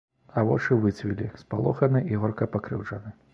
А вочы выцвілі, спалоханы і горка пакрыўджаны.